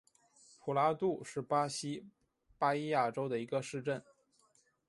普拉杜是巴西巴伊亚州的一个市镇。